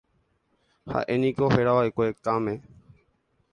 Ha'éniko herava'ekue Kame.